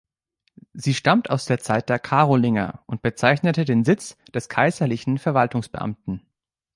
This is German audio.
Sie stammt aus der Zeit der Karolinger und bezeichnete den Sitz des kaiserlichen Verwaltungsbeamten.